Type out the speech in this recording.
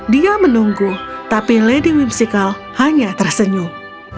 dia menunggu tapi lady whimsical hanya tersenyum